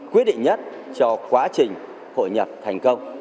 quyết định nhất cho quá trình hội nhập thành công